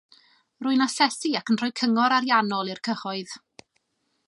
Rwy'n asesu ac yn rhoi cyngor ariannol i'r cyhoedd